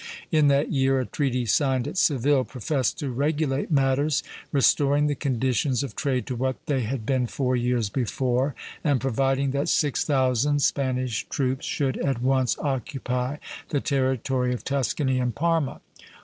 In that year a treaty signed at Seville professed to regulate matters, restoring the conditions of trade to what they had been four years before, and providing that six thousand Spanish troops should at once occupy the territory of Tuscany and Parma.